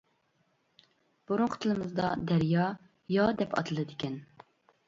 بۇرۇنقى تىلىمىزدا دەريا «يا» دەپ ئاتىلىدىكەن.